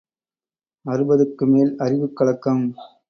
அறுபதுக்கு மேல் அறிவுக் கலக்கம்.